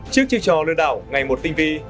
trước chiếc trò lừa đảo ngày một tinh vi